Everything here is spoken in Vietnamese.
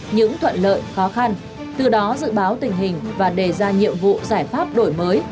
những thuận lợi khó khăn từ đó dự báo tình hình và đề ra nhiệm vụ giải pháp đổi mới